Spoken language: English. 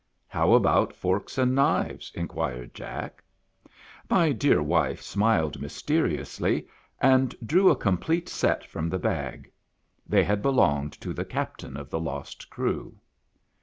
" How about forks and knives ?" inquired Jack. My dear wife smiled mysteriously, and drew a com plete set from the bag. They had belonged to the captain of the lost crew.